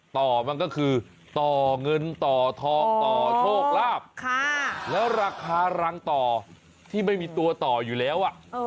ต่อมันก็คือต่อเงินต่อทองต่อโชคลาภแล้วราคารังต่อที่ไม่มีตัวต่ออยู่แล้ว